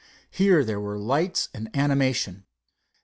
Here there were lights and animation.